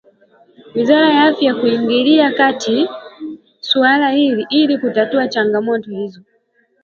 wizara ya afya kuingilia kati suala hilo ili kutatua changamoto hizo